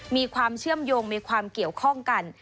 มีความเชื่อมโยงมีความเกี่ยวข้องกัน